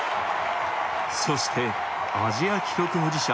そしてアジア記録保持者